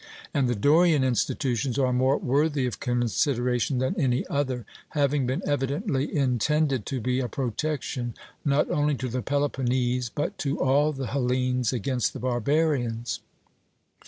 And the Dorian institutions are more worthy of consideration than any other, having been evidently intended to be a protection not only to the Peloponnese, but to all the Hellenes against the Barbarians.